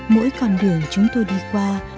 mỗi con đường chúng tôi đi qua